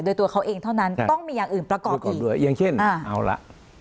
โดยตัวเขาเองเท่านั้นต้องมีอย่างอื่นประกอบประกอบด้วยอย่างเช่นเอาละ